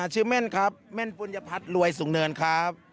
แม่นครับแม่นปุญญพัฒน์รวยสูงเนินครับ